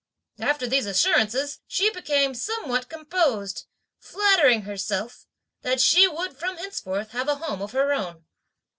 After these assurances, she became somewhat composed, flattering herself that she would from henceforth have a home of her own.